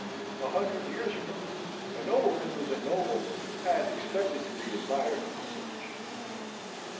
A hundred years ago, a nobleman was a nobleman, and expected to be admired as such.